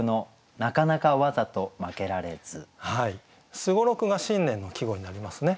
「双六」が新年の季語になりますね。